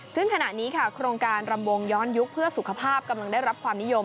ซึ่งขณะนี้ค่ะโครงการรำวงย้อนยุคเพื่อสุขภาพกำลังได้รับความนิยม